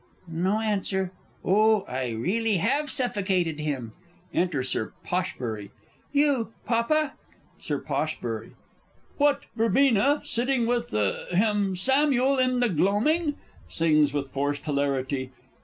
no answer oh, I really have suffocated him! (Enter Sir POSH.) You, Papa? Sir Posh. What, Verbena, sitting with, hem Samuel in the gloaming? (_Sings with forced hilarity.